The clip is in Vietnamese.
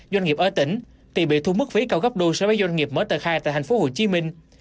doanh nghiệp ở tỉnh thì bị thu mức phí cao gấp đôi so với doanh nghiệp mở tờ khai tại thành phố hồ chí minh